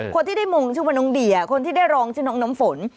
คนที่ได้มุมชื่อมนุ่งเดียคนที่ได้รองชื่อนมฝน